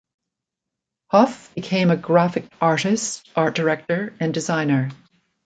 Hough became a graphic artist, art director and designer.